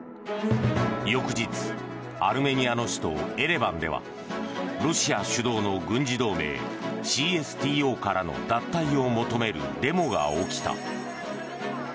翌日、アルメニアの首都エレバンではロシア主導の軍事同盟ＣＳＴＯからの脱退を求めるデモが起きた。